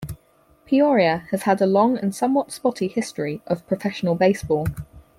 Peoria has had a long and somewhat spotty history of professional baseball.